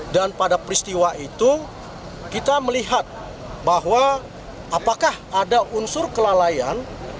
dan pada peristiwa itu kita melihat bahwa apakah ada unsur kelalaian